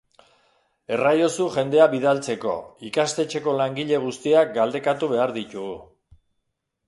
Erraiozu jendea bidaltzeko, ikastetxeko langile guztiak galdekatu behar ditugu.